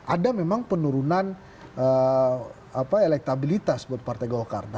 ada memang penurunan elektabilitas buat partai golkar